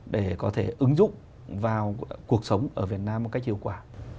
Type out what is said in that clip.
để có thể ứng dụng vào cuộc sống ở việt nam một cách hiệu quả